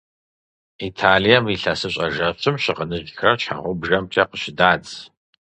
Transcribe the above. Италием ИлъэсыщӀэ жэщым щыгъыныжьхэр щхьэгъубжэмкӀэ къыщыдадз.